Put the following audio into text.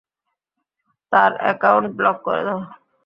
তার account block করে দাও।